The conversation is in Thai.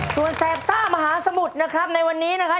ส่วนแสบซ่ามหาสมุทรนะครับในวันนี้นะครับ